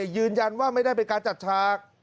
ยืนยันว่าไม่ได้เป็นการจัดฉาก